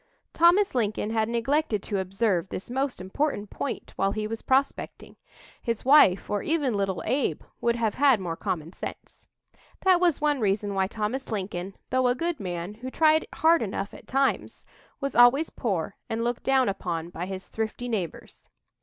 Thomas Lincoln had neglected to observe this most important point while he was prospecting. His wife, or even little Abe, would have had more common sense. That was one reason why Thomas Lincoln, though a good man, who tried hard enough at times, was always poor and looked down upon by his thrifty neighbors.